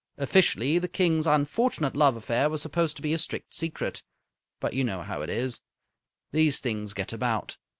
Officially, the King's unfortunate love affair was supposed to be a strict secret. But you know how it is. These things get about.